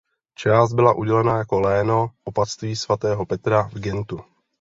Část byla udělena jako léno opatství svatého Petra v Gentu.